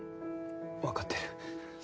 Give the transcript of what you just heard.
わかってる。